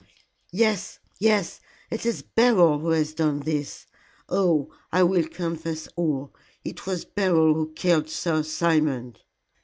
"Yes! Yes! It is Beryl who has done this. Oh, I will confess all. It was Beryl who killed Sir Simon."